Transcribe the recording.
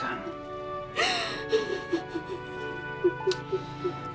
anggap saja dengan hadirnya